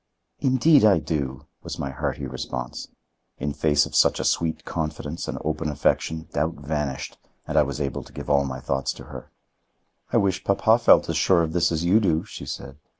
"Indeed I do," was my hearty response. In face of such a sweet confidence and open affection doubt vanished and I was able to give all my thoughts to her. "I wish papa felt as sure of this as you do," she said.